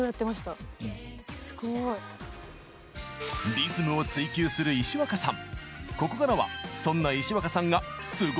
リズムを追求する石若さん。